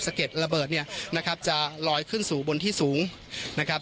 เก็ดระเบิดเนี่ยนะครับจะลอยขึ้นสู่บนที่สูงนะครับ